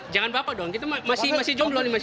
jangan bapak dong kita masih jomblo nih